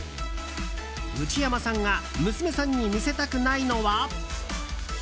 内山さんが娘さんに見せたくないのは？